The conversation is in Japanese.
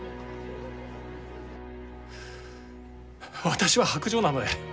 私は薄情なので。